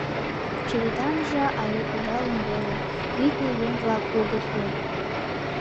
Черетанже але кудалын веле, витне, — еҥ-влак огыт кой.